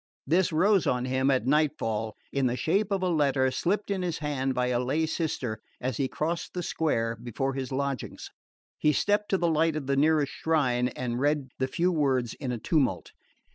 This rose on him at nightfall, in the shape of a letter slipped in his hand by a lay sister as he crossed the square before his lodgings. He stepped to the light of the nearest shrine and read the few words in a tumult.